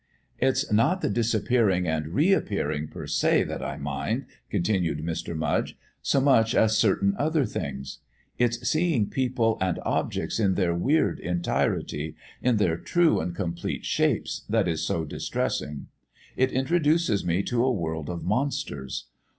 "It's not the disappearing and reappearing per se that I mind," continued Mr. Mudge, "so much as certain other things. It's seeing people and objects in their weird entirety, in their true and complete shapes, that is so distressing. It introduces me to a world of monsters.